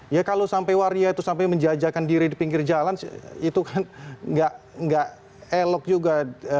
ya kalau sampai waria itu sampai menjajakan diri di pinggir jalan itu kan nggak elok juga